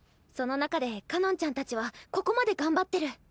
その中でかのんちゃんたちはここまで頑張ってる。